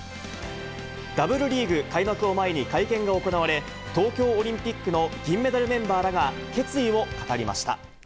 Ｗリーグ開幕を前に会見が行われ、東京オリンピックの銀メダルメンバーらが決意を語りました。